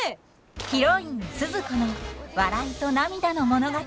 ヒロインスズ子の笑いと涙の物語。